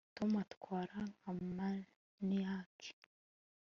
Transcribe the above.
tom atwara nka maniac